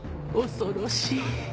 恐ろしい。